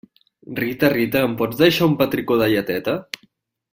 Rita, Rita, em pots deixar un petricó de lleteta?